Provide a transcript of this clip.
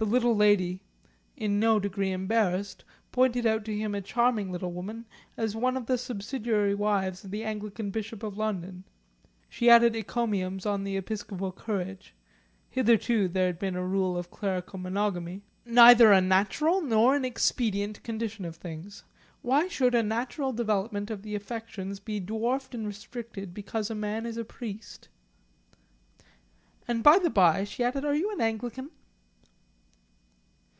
The little lady in no degree embarrassed, pointed out to him a charming little woman as one of the subsidiary wives of the Anglican Bishop of London. She added encomiums on the episcopal courage hitherto there had been a rule of clerical monogamy "neither a natural nor an expedient condition of things. Why should the natural development of the affections be dwarfed and restricted because a man is a priest?" "And, bye the bye," she added, "are you an Anglican?"